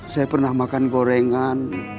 saya pernah makan gorengan